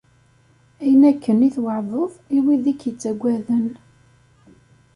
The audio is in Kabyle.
Ayen akken i tweɛdeḍ i wid i k-ittaggaden.